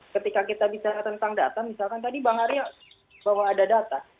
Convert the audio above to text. ketika kita bicara tentang data misalkan tadi bang arya bahwa ada data